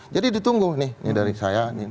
jadi ditunggu nih dari saya